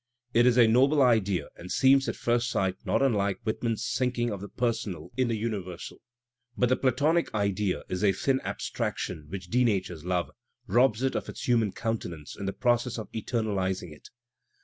It is a noble idea and seems at first sight not unlike Whit man's sinking of the personal in the imiversal. But the Pla 1 tonic idea is a thin abstraction which denatures love, robs it/ of its human countenance in the process of eternalizing it.